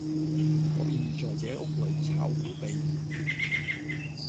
我便寓在這屋裏鈔古碑。